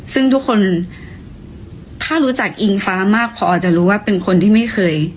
ซึ่งทุกคนถ้ารู้จักอิงฟ้ามากพอจะรู้ว่าเป็นคนที่ไม่เคย